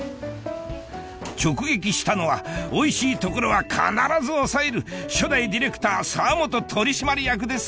直撃したのはおいしいところは必ず押さえる初代ディレクター澤本取締役です